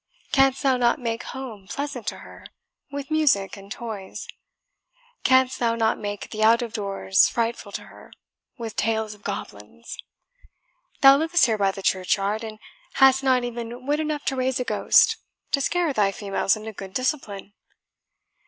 Canst thou not make home pleasant to her, with music and toys? Canst thou not make the out of doors frightful to her, with tales of goblins? Thou livest here by the churchyard, and hast not even wit enough to raise a ghost, to scare thy females into good discipline."